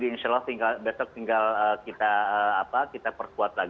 dan untuk teman teman di gas mobil